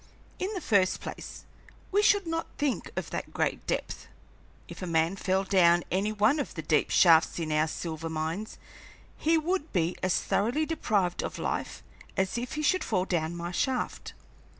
In the first place, we should not think of that great depth. If a man fell down any one of the deep shafts in our silver mines, he would be as thoroughly deprived of life as if he should fall down my shaft.